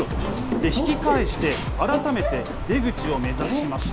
引き返して改めて出口を目指しました。